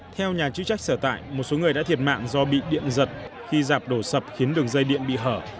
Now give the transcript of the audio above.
theo nhà chức trách sở tại một số người đã thiệt mạng do bị điện giật khi dạp đổ sập khiến đường dây điện bị hở